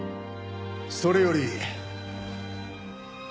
それより。